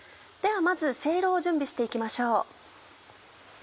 ではまずセイロを準備して行きましょう。